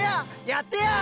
やってや！